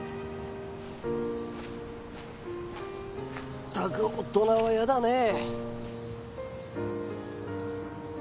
ったく大人はやだねえ。